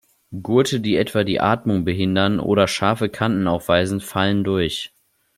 Gurte, die etwa die Atmung behindern oder scharfe Kanten aufweisen, fallen durch.